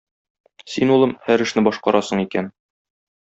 Син, улым, һәр эшне башкарасың икән.